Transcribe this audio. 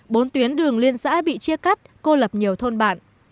bốn tuyến đường liên xã bị chia cắt cô lập nhiều thôn bản